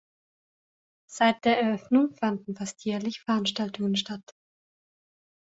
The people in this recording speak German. Seit der Eröffnung fanden fast jährlich Veranstaltungen statt.